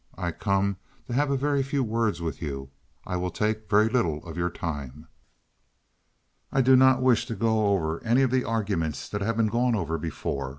I come to have a very few words with you. I will take very little of your time. I do not wish to go over any of the arguments that have been gone over before.